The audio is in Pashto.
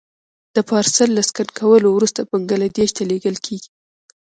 دا پارسل له سکن کولو وروسته بنګلادیش ته لېږل کېږي.